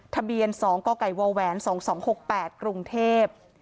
ทะเบียน๒กกว๒๒๖๘กรุงเทพ